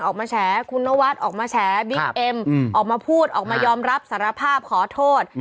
ออกมาแฉคุณนวัดออกมาแฉบิ๊กเอ็มออกมาพูดออกมายอมรับสารภาพขอโทษ